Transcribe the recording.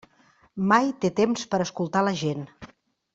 Mai té temps per escoltar la gent.